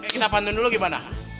kita pantun dulu gimana